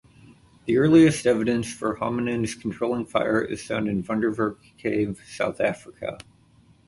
The earliest evidence for hominins controlling fire is found in Wonderwerk Cave, South Africa.